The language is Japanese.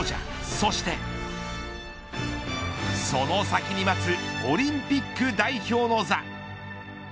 そしてその先に待つオリンピック代表の座。